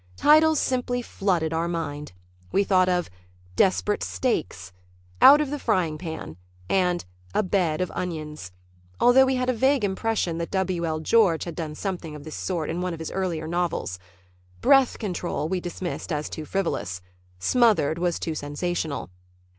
Titles simply flooded our mind. We thought of "Desperate Steaks," "Out of the Frying Pan" and "A Bed of Onions," although we had a vague impression that W. L. George had done something of this sort in one of his earlier novels. "Breath Control" we dismissed as too frivolous. "Smothered" was too sensational.